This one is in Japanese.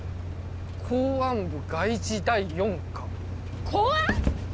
公安部外事第４課公安！？